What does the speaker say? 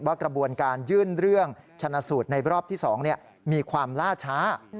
กระบวนการยื่นเรื่องชนะสูตรในรอบที่๒มีความล่าช้า